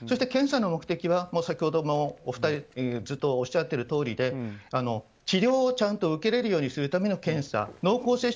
検査の目的は先ほどお二人がおっしゃっている通りで治療をちゃんと受けれるようにするための検査。